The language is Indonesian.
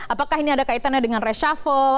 apakah ini ada kaitannya dengan reshuffle